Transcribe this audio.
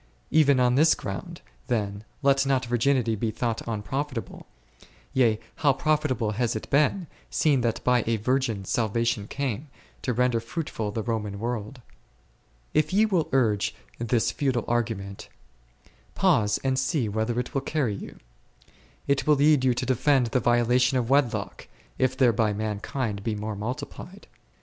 Even on this ground, then, let not virginity be thought unprofitable ; yea, how profitable has it been, seeing that by a Virgin salvation came, to render fruitful the Roman world. If ye will urge this futile argument, pause and see whither it will carry you. It will lead you to defend the violation of wedlock, if thereby mankind may be more multiplied.